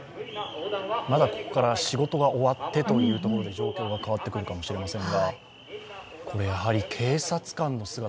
まだここから仕事が終わってということで状況が変わってくるかもしれません。